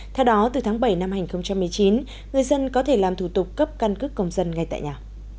theo đó từ tháng bảy năm hai nghìn một mươi chín người dân có thể làm thủ tục cấp căn cước công dân ngay tại nhà